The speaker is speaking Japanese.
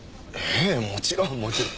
ええもちろんもちろん。